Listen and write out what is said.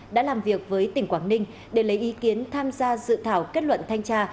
đã làm việc với tỉnh quảng ninh để lấy ý kiến tham gia dự thảo kết luận thanh tra